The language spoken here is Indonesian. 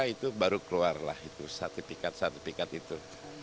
itu baru keluarlah itu sertifikat sertifikat itu